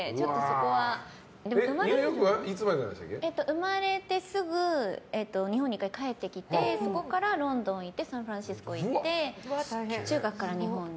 生まれてすぐ日本に１回帰ってきてそこからロンドン行ってサンフランシスコ行って中学から日本に。